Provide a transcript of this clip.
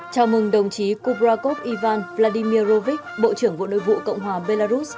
chào mừng đồng chí kubrakov ivan vladimirovich bộ trưởng bộ nội vụ cộng hòa belarus